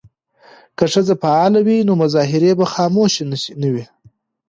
که ښځې فعالې وي نو مظاهرې به خاموشه نه وي.